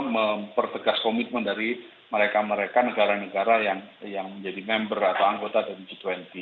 mempertegas komitmen dari mereka mereka negara negara yang menjadi member atau anggota dari g dua puluh